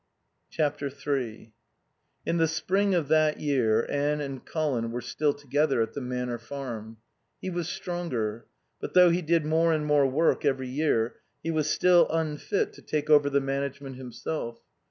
iii In the spring of that year Anne and Colin were still together at the Manor Farm. He was stronger. But, though he did more and more work every year, he was still unfit to take over the management himself.